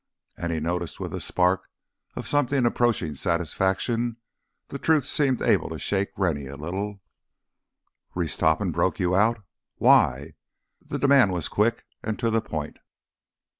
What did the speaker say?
And, he noticed with a spark of something approaching satisfaction, the truth seemed able to shake Rennie a little. "Reese Topham broke you out! Why?" The demand was quick and to the point.